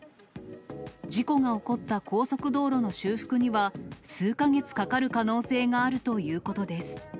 事故が起こった高速道路の修復には、数か月かかる可能性があるということです。